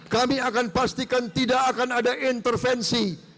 kami akan pastikan tidak akan ada intervensi